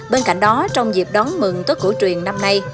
bên cạnh đó trong dịp đón mừng tốt của truyền năm nay